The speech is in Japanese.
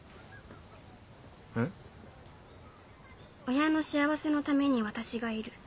親の幸せのために私がいる。